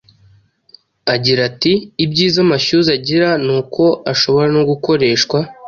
Agira ati:”ibyiza amashyuza agira ni uko ashobora no gukoreshwa